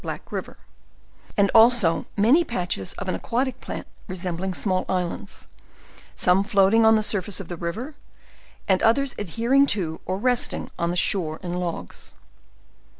Black river; and also many patch es of an aquatic plant resembling small islands, some float ing on the surface of the river, and others adhering to, or resting on the shore and logs.